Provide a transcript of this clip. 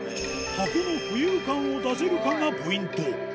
箱の浮遊感を出せるかがポイント